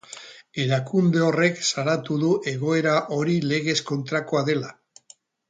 Erakunde horrek salatu du egoera hori legez kontrakoa dela.